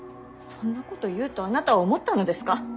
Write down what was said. そんなこと言うとあなたは思ったのですか。